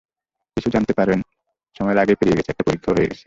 কিন্তু জানতে পারেন সময় আগেই পেরিয়ে গেছে, একটা পরীক্ষাও হয়ে গেছে।